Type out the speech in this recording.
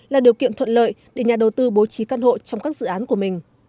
là điều kiện thuận lợi để nhà đầu tư bố trí căn hộ trong các dự án của mình